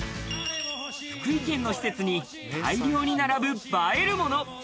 福井県の施設に大量に並ぶ映えるもの。